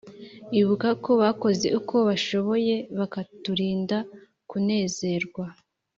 Ibuka ko bakoze uko bashoboye Bakaturinda kunezerwa